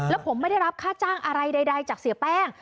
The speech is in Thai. แล้วผมไม่ได้รับค่าจ้างอะไรใดจากเสียแป้ง